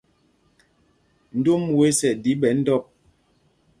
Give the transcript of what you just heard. Ndom wes ɛ ɗi ɓɛ ndɔ̂p.